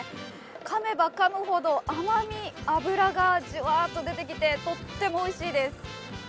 かめばかむほど、甘み、脂がじゅわっと出てきて、とってもおいしいです。